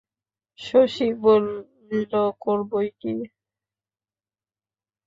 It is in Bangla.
শশী বলিল, করব বইকি।